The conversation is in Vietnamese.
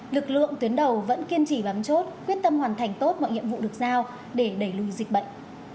lực lượng tuyến đầu vẫn kiên trì bám chốt quyết tâm hoàn thành tốt mọi nhiệm vụ được giao để đẩy lùi dịch bệnh